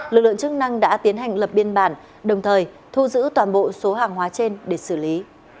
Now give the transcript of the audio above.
lực lượng chức năng đã tiến hành lập biên bản đồng thời thu giữ toàn bộ số hàng hóa trên để xử lý